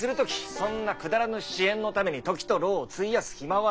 そんなくだらぬ私怨のために時と労を費やす暇はない。